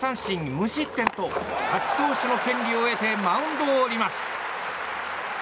無失点と勝ち投手の権利を得てマウンドを降ります。